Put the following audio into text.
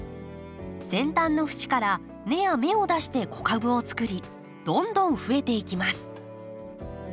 先端の節から根や芽を出して子株をつくりどんどん増えていきます。